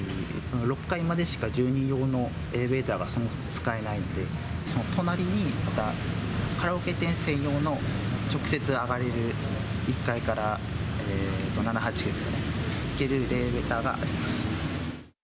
６階までしか住人用のエレベーターが使えないので、隣にカラオケ店専用の直接上がれる１階から７、８階に行けるエレベーターがあります。